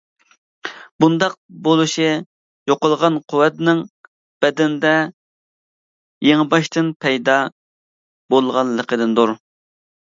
بۇنداق بولۇشى يوقالغان قۇۋۋەتنىڭ بەدەندە يېڭىباشتىن پەيدا بولغانلىقىدىندۇر.